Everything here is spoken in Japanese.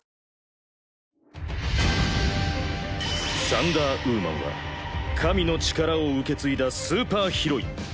サンダーウーマンは神の力を受け継いだスーパーヒロイン。